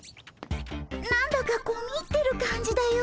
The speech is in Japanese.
何だか込み入ってる感じだよ。